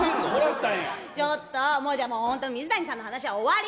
ちょっと、もうじゃあ、水谷さんの話は終わり。